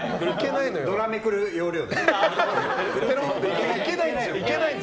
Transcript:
ドラをめくる要領で。